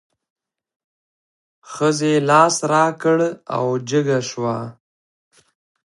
ښځې لاس را کړ او جګه شوه.